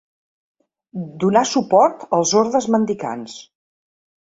Donà suport als ordes mendicants.